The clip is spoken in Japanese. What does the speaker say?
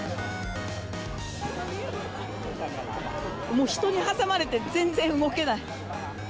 もう、人に挟まれて、全然動けない。